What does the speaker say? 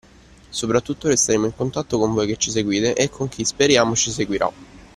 Soprattutto resteremo in contatto con voi che ci seguite e con chi (speriamo) ci seguirà.